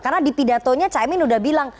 karena di pidatonya caimin udah bilang